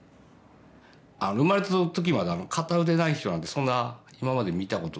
生まれたときまで片腕ない人なんてそんな今まで見たことなくて。